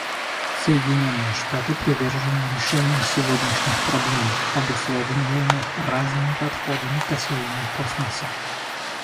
Соединенные Штаты привержены решению сегодняшних проблем, обусловливаемых разными подходами к освоению космоса.